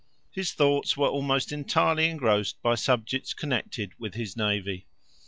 His thoughts were almost entirely engrossed by subjects connected with his navy.